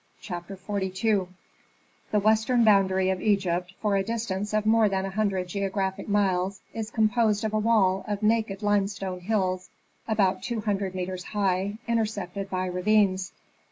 CHAPTER XLII The western boundary of Egypt for a distance of more than a hundred geographic miles is composed of a wall of naked limestone hills about two hundred metres high, intersected by ravines.